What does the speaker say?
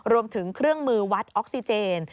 รวมถึงเครื่องมือวัดออกซิเจน